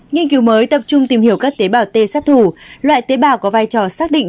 nghiên cứu mới tập trung tìm hiểu các tế bào t sát thủ loại tế bào có vai trò xác định